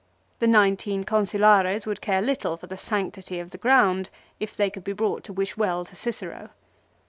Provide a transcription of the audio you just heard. The nineteen Consulares would care little for the sanctity of the ground if they could be brought to wish well to Cicero.